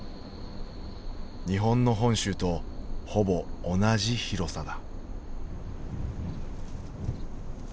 日本の本州とほぼ同じ広さだ。